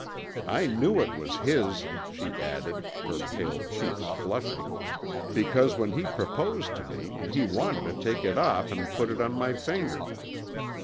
"I knew it was his," she added, her pale cheeks flushing, "because when he proposed to me he wanted to take it off and put it on my finger.